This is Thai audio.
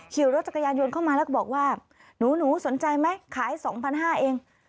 ขี่รถจักรยานยนต์เข้ามาแล้วก็บอกว่าหนูสนใจไหมขาย๒๕๐๐เอง